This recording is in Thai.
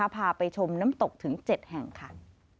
พาไปชมน้ำตกถึง๗แห่งค่ะ